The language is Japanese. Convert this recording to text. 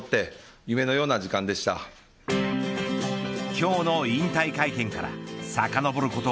今日の引退会見からさかのぼること